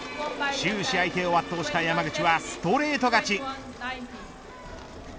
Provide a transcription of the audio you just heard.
終始相手を圧倒した山口はストレート勝ち